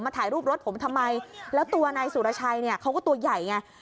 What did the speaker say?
ถ่ายรูปรถผมทำไมแล้วตัวนายสุรชัยเนี่ยเขาก็ตัวใหญ่ไง